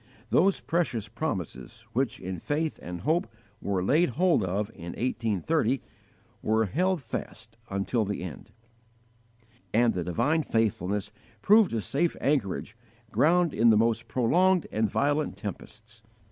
Those precious promises, which in faith and hope were "laid hold" of in 1830, were "held fast" until the end. (Heb. vi. 18, x. 23.) And the divine faithfulness proved a safe anchorage ground in the most prolonged and violent tempests.